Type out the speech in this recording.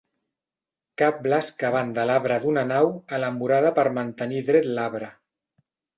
Cables que van de l'arbre d'una nau a la murada per mantenir dret l'arbre.